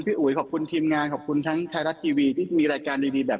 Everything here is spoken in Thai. อุ๋ยขอบคุณทีมงานขอบคุณทั้งไทยรัฐทีวีที่มีรายการดีแบบ